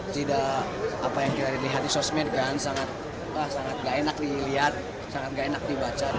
tidak apa yang kita lihat di sosmed kan sangat gak enak dilihat sangat gak enak dibaca